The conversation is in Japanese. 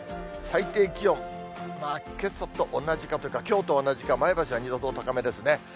最低気温、まあ、けさと同じかというか、きょうと同じか、前橋は２度ほど高めですね。